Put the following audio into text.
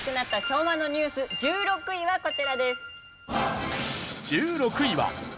昭和のニュース１６位はこちらです。